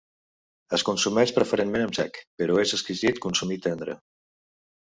Es consumeix preferentment en sec, però és exquisit consumit tendre.